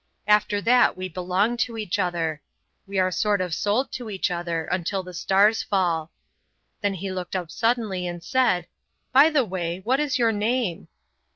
"After that we belong to each other. We are sort of sold to each other until the stars fall." Then he looked up suddenly, and said: "By the way, what is your name?"